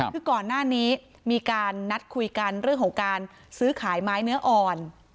คือก่อนหน้านี้มีการนัดคุยกันเรื่องของการซื้อขายไม้เนื้ออ่อน